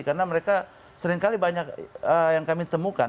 karena mereka seringkali banyak yang kami temukan